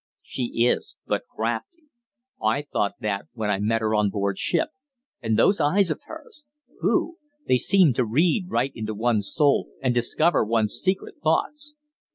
"She is but crafty. I thought that when I met her on board ship. And those eyes of hers. Phew! They seem to read right into one's soul, and discover one's secret thoughts."